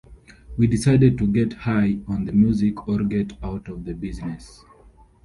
We decided to get high on the music, or get out of the business.